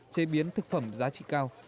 chế biến thực phẩm giá trị